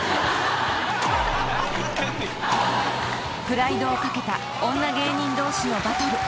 ［プライドを懸けた女芸人同士のバトル］